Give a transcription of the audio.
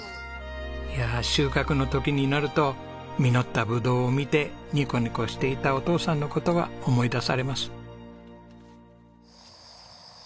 いや収穫の時になると実ったブドウを見てニコニコしていたお父さんの事が思い出されます。